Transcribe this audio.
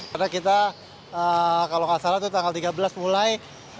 karena kita kalau nggak salah tanggal tiga belas mulai